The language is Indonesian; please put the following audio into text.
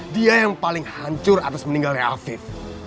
dia yang paling hancur atas meninggalnya afif